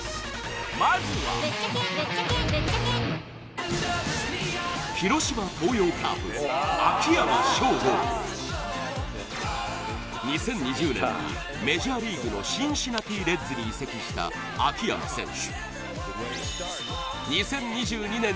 まずは２０２０年にメジャーリーグのシンシナティ・レッズに移籍した秋山選手